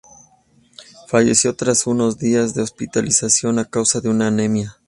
Falleció tras unos días de hospitalización a causa de una anemia.